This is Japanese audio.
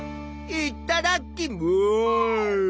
いただきます！